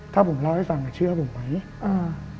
ถ้าผมเล่าให้ฟังอ่ะเชื่อผมไหมอ่า